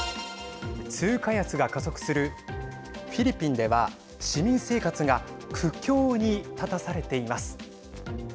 通貨安が加速するフィリピンでは市民生活が苦境に立たされています。